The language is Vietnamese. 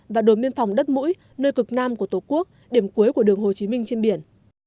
và đồn biên phòng đất mũi nơi cực nam của tổ quốc điểm cuối của đường hồ chí minh trên biển